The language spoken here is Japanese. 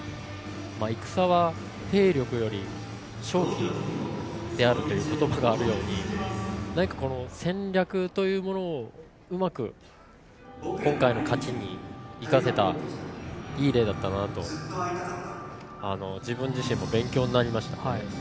戦は兵力より勝機であるという言葉があるように何か戦略というものをうまく今回の勝ちに生かせたいい例だったなと自分自身も勉強になりました。